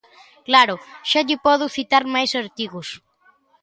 Claro, xa lle podo citar máis artigos.